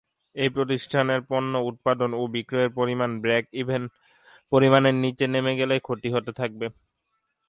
ঐ প্রতিষ্ঠানের পণ্য উৎপাদন ও বিক্রয়ের পরিমাণ ব্রেক-ইভেন পরিমাণের নিচে নেমে গেলে ক্ষতি হতে থাকবে।